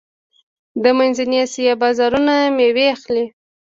د منځنۍ اسیا بازارونه میوې اخلي.